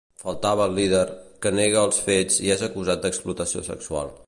Faltava el líder, que nega els fets i és acusat d'explotació sexual.